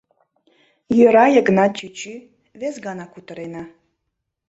— Йӧра, Йыгнат чӱчӱ, вес гана кутырена.